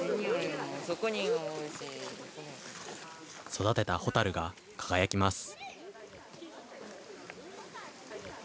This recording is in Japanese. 育てたホタルが輝きます。